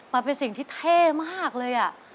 มันเป็นสิ่งที่เท่มากเลย